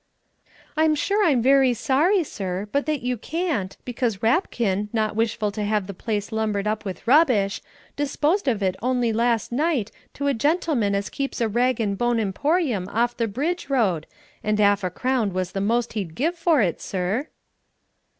"I'm sure I'm very sorry, sir, but that you can't, because Rapkin, not wishful to have the place lumbered up with rubbish, disposed of it on'y last night to a gentleman as keeps a rag and bone emporium off the Bridge Road, and 'alf a crown was the most he'd give for it, sir."